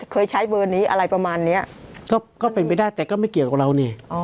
เคยใช้เบอร์นี้อะไรประมาณเนี้ยก็เป็นไปได้แต่ก็ไม่เกี่ยวกับเรานี่